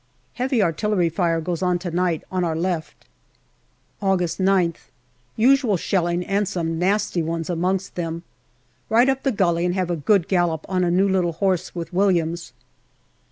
Heavy artillery fire goes on to night on our left. AUGUST 189 August 9th. Usual shelling, and some nasty ones amongst them. Ride up the gully and have a good gallop on a new little horse with Williams.